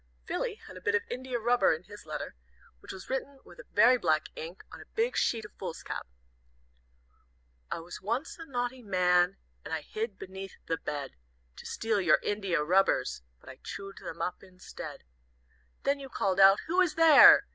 Philly had a bit of india rubber in his letter, which was written with very black ink on a big sheet of foolscap: "I was once a naughty man, And I hid beneath the bed, To steal your india rubbers, But I chewed them up instead. "Then you called out, 'Who is there?'